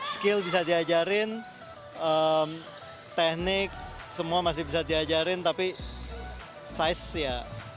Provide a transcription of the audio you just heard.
skill bisa diajarin teknik semua masih bisa diajarin tapi size ya